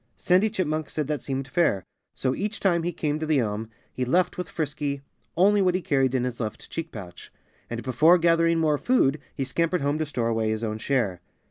Sandy Chipmunk said that that seemed fair. So each time he came to the elm he left with Frisky only what he carried in his left cheek pouch. And before gathering more food he scampered home to store away his own share.